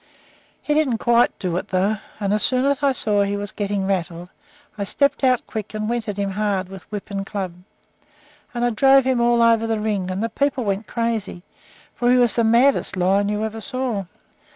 He didn't quite do it, though; and as soon as I saw he was getting rattled I stepped out quick and went at him hard with whip and club. And I drove him all over the ring, and the people went crazy, for he was the maddest lion you ever saw.